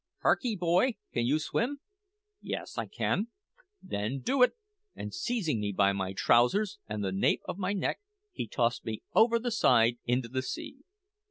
"`Hark'ee, boy, can you swim?' "`Yes,' said I. "`Then do it!' and seizing me by my trousers and the nape of my neck, he tossed me over the side into the sea.